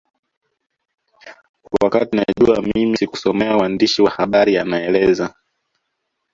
Wakati najua mimi sikusomea uandishi wa habari anaeleza